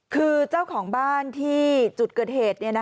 คือเจ้าของบ้านที่จุดเกิดเหตุ